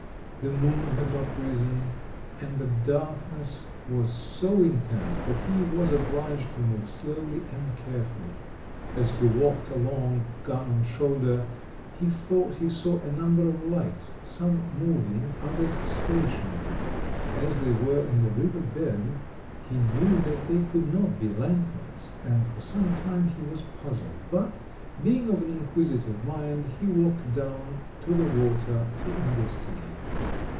The moon had not risen, and the darkness was so intense that he was obliged to move slowly and carefully. As he walked along, gun on shoulder, he thought he saw a number of lights, some moving, others stationary. As they were in the river bed, he knew that they could not be lanterns, and for some time he was puzzled; but, being of an inquisitive mind, he walked down to the water to investigate.